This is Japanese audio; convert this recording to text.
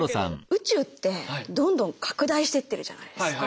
宇宙ってどんどん拡大してってるじゃないですか。